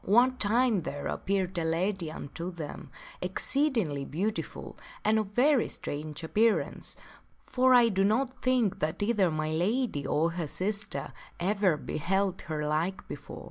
What time there appeared a lady S white hart and unto them, exceedingly beautiful, and of very strange appear the white hound. anc e, for I do not think that either my lady or her sister ever beheld her like before.